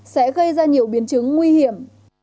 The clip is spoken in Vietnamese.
sẽ gây ra nhiều biến chứng nguy hiểm